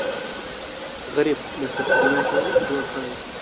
غریب له سختیو ژوند جوړ کړی